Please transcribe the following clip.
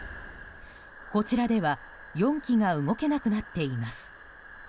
こちらでは４機が動けなくなっています。